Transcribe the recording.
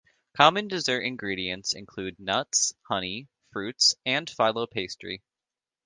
Common dessert ingredients include nuts, honey, fruits, and filo pastry.